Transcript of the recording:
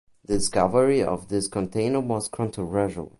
The discovery of this container was controversial.